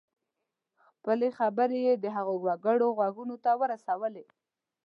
خپلې خبرې یې د هغو وګړو غوږونو ته ورسولې.